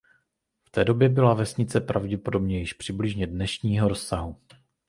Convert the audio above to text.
V té době byla vesnice pravděpodobně již přibližně dnešního rozsahu.